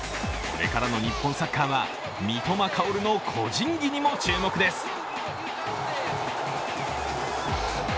これからの日本サッカーは三笘薫の個人技にも注目です。